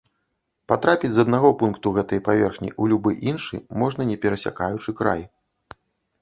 Патрапіць з аднаго пункту гэтай паверхні ў любы іншы можна, не перасякаючы край.